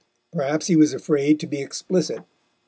Perhaps he was afraid to be explicit.